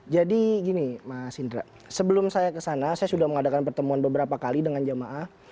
jadi gini mas indra sebelum saya ke sana saya sudah mengadakan pertemuan beberapa kali dengan jamaah